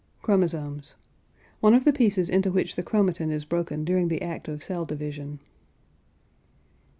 CHROMOSOMES. One of the pieces into which the chromatin is broken during the act of cell division.